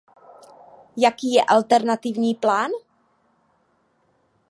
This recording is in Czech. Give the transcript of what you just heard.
Jaký je alternativní plán?